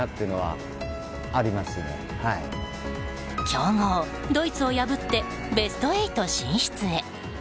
強豪ドイツを破ってベスト８進出へ。